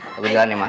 pamit jalannya ma